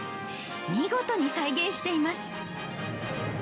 見事に再現しています。